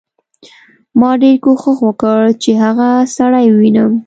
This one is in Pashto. ما ډېر کوښښ وکړ چې هغه سړی ووینم